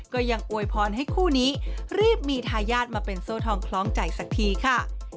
ก็ยังอวยพรให้คู่นี้รีบมีทายาทมาเป็นโซ่ทองคล้องใจสักทีค่ะ